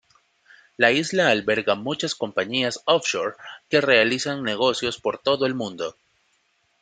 La isla alberga muchas compañías "offshore", que realizan negocios por todo el mundo.